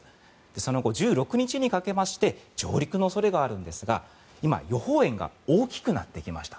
その後１６日にかけまして上陸の恐れがあるんですが今、予報円が大きくなってきました。